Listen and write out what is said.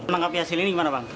menanggapi hasil ini gimana bang